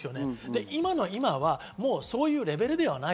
今の今はそういうレベルではない。